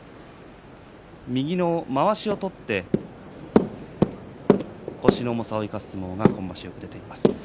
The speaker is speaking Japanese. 右のまわしを取って腰の重さを生かす相撲がこの場所見られます。